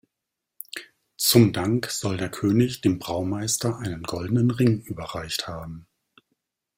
Zum Dank soll der König dem Braumeister einen goldenen Ring überreicht haben.